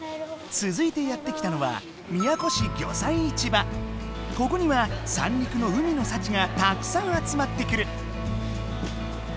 つづいてやって来たのはここには三陸の海の幸がたくさん集まってくる。